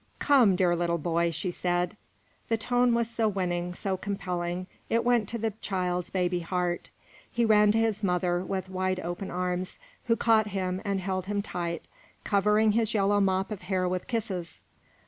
"Come, dear little boy," she said. The tone was so winning, so compelling, it went to the child's baby heart. He ran to his mother, with wide open arms, who caught him and held him tight, covering his yellow mop of hair with kisses.